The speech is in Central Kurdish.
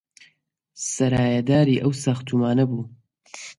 سەرایەداری ئەو ساختومانە بوو